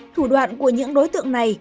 thủ đoạn của những đối tượng này